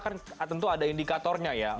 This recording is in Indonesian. kan tentu ada indikatornya ya